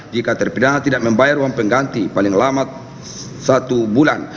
jika terpidana tidak membayar uang pengganti paling lama satu bulan